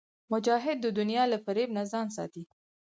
مجاهد د دنیا له فریب نه ځان ساتي.